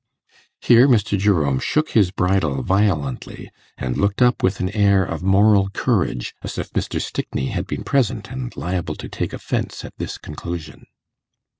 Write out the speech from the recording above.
Here Mr. Jerome shook his bridle violently, and looked up with an air of moral courage, as if Mr. Stickney had been present, and liable to take offence at this conclusion.